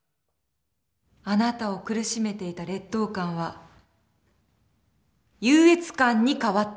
あなたを苦しめていた劣等感は優越感に変わったんですね。